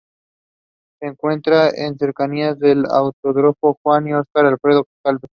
Se encuentra en cercanías del Autódromo Juan y Oscar Alfredo Gálvez.